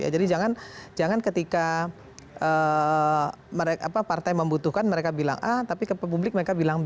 jadi jangan ketika partai membutuhkan mereka bilang a tapi ke publik mereka bilang b